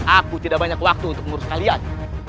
aku tidak banyak waktu untuk mengurus kalian